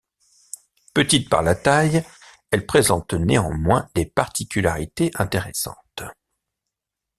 Petite par la taille, elle présente néanmoins des particularités intéressantes.